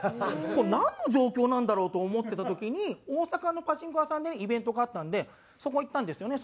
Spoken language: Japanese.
これなんの状況なんだろう？と思ってた時に大阪のパチンコ屋さんでイベントがあったんでそこ行ったんですよね。